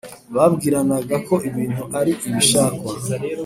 babwiranaga ko ibintu ari ibishakwa